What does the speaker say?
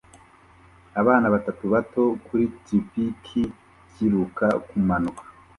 Abana batatu bato kuri trikipiki biruka kumanuka